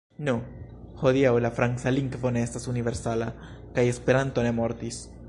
Nu, hodiaŭ la franca lingvo ne estas universala, kaj Esperanto ne mortis.